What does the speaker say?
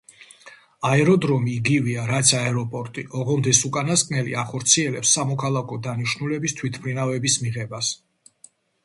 აეროდრომი იგივეა რაც აეროპორტი, ოღონდ ეს უკანასკნელი ახორციელებს სამოქალაქო დანიშნულების თვითმფრინავების მიღებას.